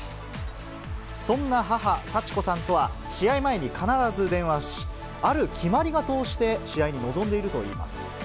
そんな母、幸子さんとは、試合前に必ず電話し、ある決まり事をして、試合に臨んでいるといいます。